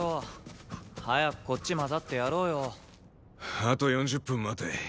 あと４０分待て。